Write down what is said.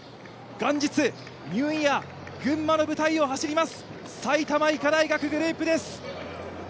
元日、ニューイヤー、群馬の舞台を走ります埼玉医科大学グループです。